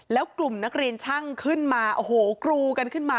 แล้วกลุ่มนักเรียนช่างขึ้นมาโอ้โหกรูกันขึ้นมา